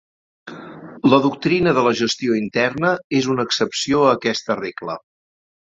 La doctrina de la gestió interna és una excepció a aquesta regla.